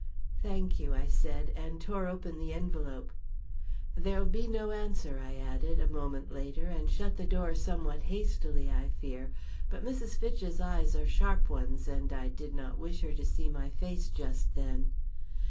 "Thank you," I said, and tore open the envelope. "There'll be no answer," I added, a moment later, and shut the door somewhat hastily I fear, but Mrs. Fitch's eyes are sharp ones, and I did not wish her to see my face just then.